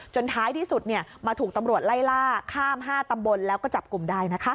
ท้ายที่สุดมาถูกตำรวจไล่ล่าข้าม๕ตำบลแล้วก็จับกลุ่มได้นะคะ